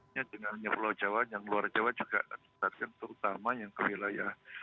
hanya dengan pulau jawa yang luar jawa juga terutama yang ke wilayah